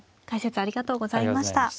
解説ありがとうございました。